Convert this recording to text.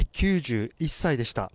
９１歳でした。